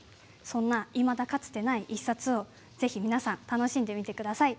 そんな、いまだかつてない１冊をぜひ、皆さん楽しんでみてください。